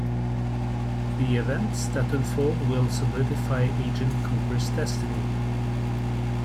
The events that unfold will solidfy Agent Cooper's destiny.